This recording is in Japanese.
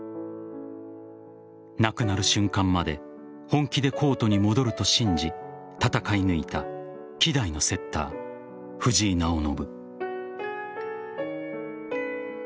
亡くなる瞬間まで本気でコートに戻ると信じ戦い抜いた希代のセッター・藤井直伸。